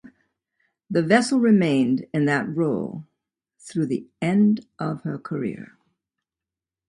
The vessel remained in that role through the end of her career.